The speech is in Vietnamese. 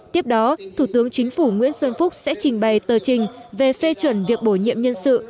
tiếp đó thủ tướng chính phủ nguyễn xuân phúc sẽ trình bày tờ trình về phê chuẩn việc bổ nhiệm nhân sự